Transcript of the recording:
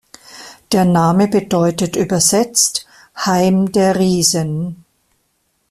Der Name bedeutet übersetzt „Heim der Riesen“.